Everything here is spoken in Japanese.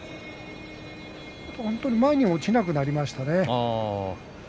本当に前に落ちなくなりましたね。